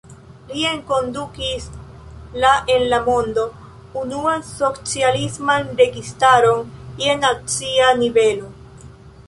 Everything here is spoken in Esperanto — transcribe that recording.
Li enkondukis la en la mondo unuan socialisman registaron je nacia nivelo.